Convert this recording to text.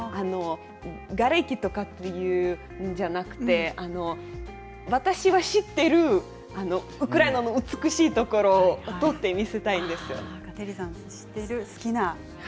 がれきとかいうのじゃなくて私が知っているウクライナの美しいところを撮って見せたいんですよ。